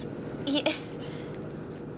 いいえ。